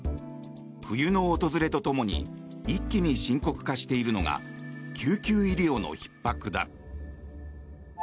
冬の訪れとともに一気に深刻化しているのが救急医療のひっ迫だ。